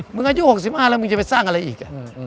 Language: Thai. มึงอายุ๖๕แล้วมึงจะไปสร้างอะไรอีก